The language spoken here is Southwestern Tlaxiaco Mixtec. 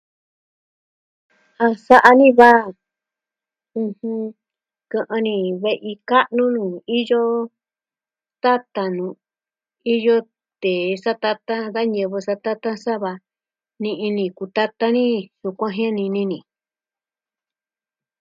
A sa'a ni va, ɨjɨn... kɨ'ɨn ni ve'i ka'nu nuu iyo tatan lu'u, iyo tee satatan, da ñivɨ satatan sava ni'i ni kutatan ni. Yukuan jianini ni.